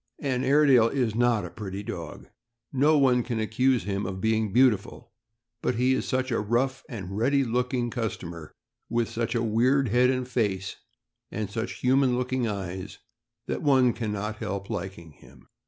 An Airedale is not a pretty dog — no one can accuse him of being beautiful; but he is such a rough and ready look ing customer, with such a weird head and face, and such human looking eyes, that one can not help liking him.